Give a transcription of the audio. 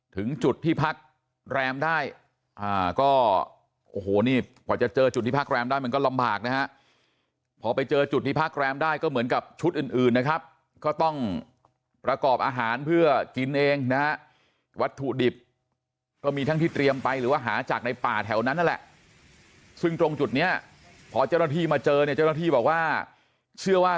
ถึงจุดที่พักแรมได้ก็โอ้โหนี่กว่าจะเจอจุดที่พักแรมได้มันก็ลำบากนะฮะพอไปเจอจุดที่พักแรมได้ก็เหมือนกับชุดอื่นนะครับก็ต้องประกอบอาหารเพื่อกินเองนะฮะวัตถุดิบก็มีทั้งที่เตรียมไปหรือว่าหาจากในป่าแถวนั้นนั่นแหละซึ่งตรงจุดเนี้ยพอเจ้าหน้าที่มาเจอเนี่ยเจ้าหน้าที่บอกว่าเชื่อว่า